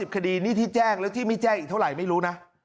คดีนี่ที่แจ้งแล้วที่ไม่แจ้งอีกเท่าไหร่ไม่รู้นะ